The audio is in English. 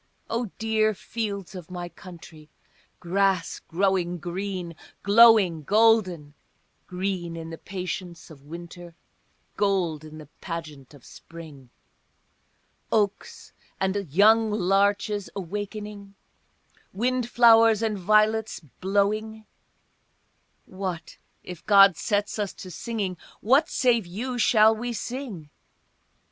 O dear fields of my country, grass growing green, glowing golden, Green in the patience of winter, gold in the pageant of spring, Oaks and young larches awaking, wind flowers and violets blowing, What, if God sets us to singing, what save you shall we sing?